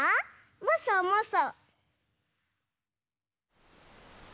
もそもそ。